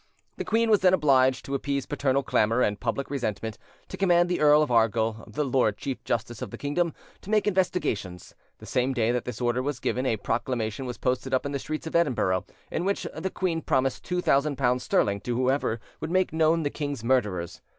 The queen was then obliged, to appease paternal clamour and public resentment, to command the Earl of Argyll, the Lord Chief Justice of the kingdom, to make investigations; the same day that this order was given, a proclamation was posted up in the streets of Edinburgh, in which the queen promised two thousand pounds sterling to whoever would make known the king's murderers.